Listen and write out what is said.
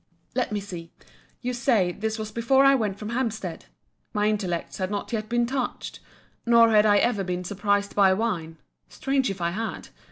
Let me see. You say, this was before I went from Hampstead! My intellects had not then been touched!—nor had I ever been surprised by wine, [strange if I had!